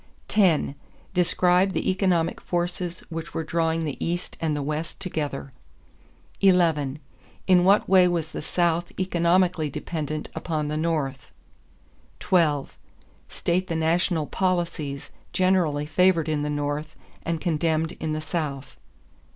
10. Describe the economic forces which were drawing the East and the West together. 11. In what way was the South economically dependent upon the North? 12 State the national policies generally favored in the North and condemned in the South.